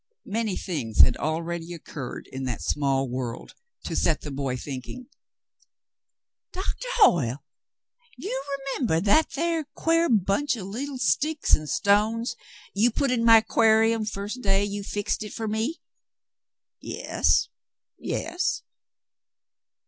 Many things had already occurred in that small world to set the boy thinking. "Doctah Hoyle, you remembeh that thar quare bunch of leetle sticks an' stones you put in my 'quar'um first day you fixed hit up fer me ?" "Yes, yes."